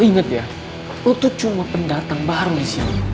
eh gue inget ya lo tuh cuma pendatang baru disini